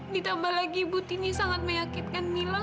ditambah lagi butini sangat meyakinkan mila